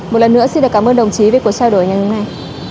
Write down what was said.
một lần nữa xin cảm ơn đồng chí về cuộc trao đổi ngày hôm nay